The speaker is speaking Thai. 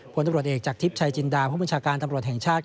ผลตำรวจเอกจากทิพย์ชายจินดาผู้บัญชาการตำรวจแห่งชาติ